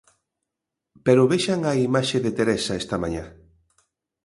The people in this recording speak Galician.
Pero vexan a imaxe de Teresa esta mañá.